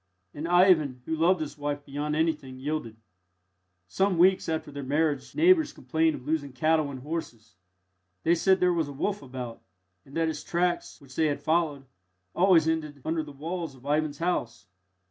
And Ivan, who loved his wife beyond anything, yielded. Some weeks after their marriage, neighbours complained of losing cattle and horses. They said there was a wolf about, and that its tracks, which they had followed, always ended under the walls of Ivan's house.